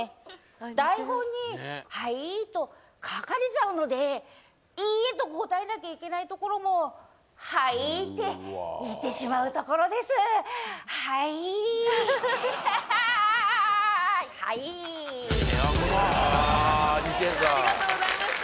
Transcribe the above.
台本に「はい」と書かれちゃうので「いいえ」と答えなきゃいけないところも「はい」って言ってしまうところですはいはっははいありがとうございました